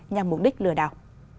nhằm mục đích lừa đảo